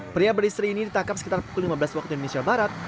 pria beristri ini ditangkap sekitar pukul lima belas waktu indonesia barat